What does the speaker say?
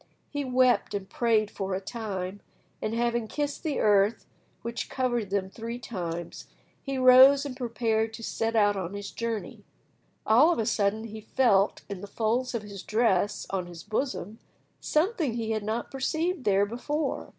He wept and prayed for a time, and having kissed the earth which covered them three times, he rose and prepared to set out on his journey. All of a sudden he felt, in the folds of his dress on his bosom, something he had not perceived there before.